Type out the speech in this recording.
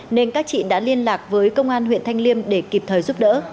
nên các chị đã liên lạc với công an huyện thanh liêm để kịp thời giúp đỡ